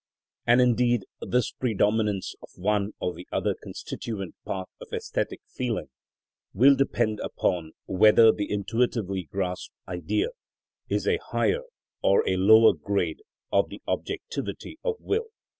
And, indeed, this predominance of one or the other constituent part of æsthetic feeling will depend upon whether the intuitively grasped Idea is a higher or a lower grade of the objectivity of will.